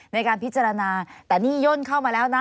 ในการพิจารณาแต่นี่ย่นเข้ามาแล้วนะ